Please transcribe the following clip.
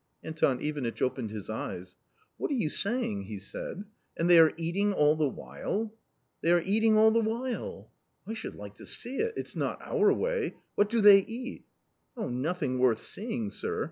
Anton Ivanitch opened his eyes. " What are you saying !" he said, " and they are eating all the while ?"" They*are eating all the while !" "I should like to see it; it's not our way! What do they eat ?"" Oh, nothing worth seeing, sir